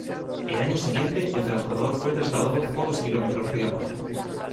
El año siguiente, el transbordador fue trasladado pocos kilómetros río abajo.